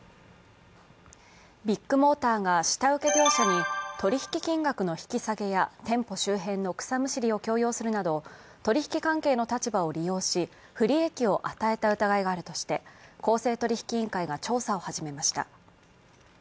ビッグモーターが下請け業者に取り引き金額の引き下げや店舗周辺の草むしりを強要するなど取り引き関係の立場を利用し、不利益を与えた疑いがあるとして、公正取引委員会が調査を始めました。